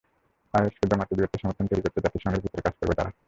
আইএসকে দমাতে বৃহত্তর সমর্থন তৈরি করতে জাতিসংঘের ভেতরে কাজ করবে তারা।